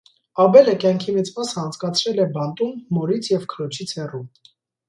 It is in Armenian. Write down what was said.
Աբելը կյանքի մեծ մասը անցկացրել է բանտում մորից և քրոջից հեռու։